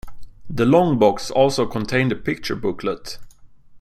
The long box also contained a picture booklet.